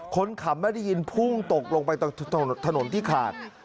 คนขับไม่ได้ยินพุ่งตกลงไปตรงถนนที่ขาด